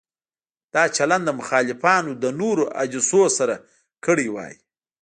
دا چلند مخالفانو له نورو حدیثونو سره کړی وای.